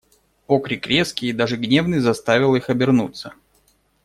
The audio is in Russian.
Окрик резкий и даже гневный заставил их обернуться.